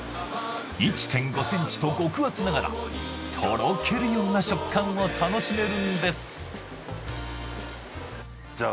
１．５ｃｍと極厚ながらとろけるような食感を楽しめるんですじゃあ